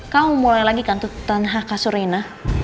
kamu mulai lagi kan tutupan hak kasur reina